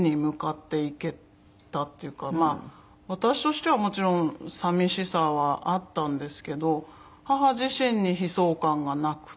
私としてはもちろん寂しさはあったんですけど母自身に悲壮感がなくて。